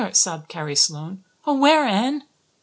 sobbed Carrie Sloane. "Oh, where, Anne?"